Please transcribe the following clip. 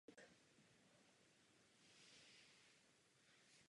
Před první světovou válkou to byl nejvýznamnější obrazový časopis v češtině.